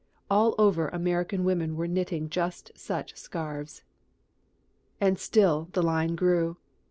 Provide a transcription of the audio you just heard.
All over America women were knitting just such scarfs. And still the line grew.